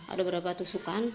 ada beberapa tusukan